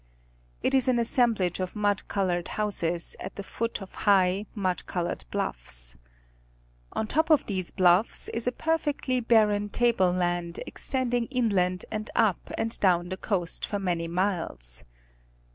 It is an assemblage of mud colored houses, Telegraphic Determinations of Longitude. 27 at the foot of high, mud colored bluffs. On top of these bluffs is a perfectly barren table land extending inland and up and down the coast for many miles.